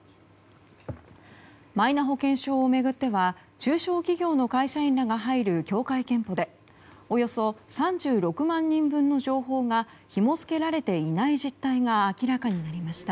マイナ保険証を巡っては中小企業の会社員らが入る協会けんぽでおよそ３６万人分の情報がひも付けられていない実態が明らかになりました。